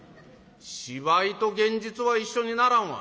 「芝居と現実は一緒にならんわ」。